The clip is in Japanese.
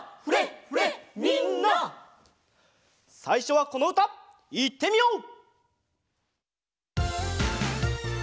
さいしょはこのうたいってみよう！